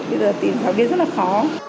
bây giờ tìm giáo viên rất là khó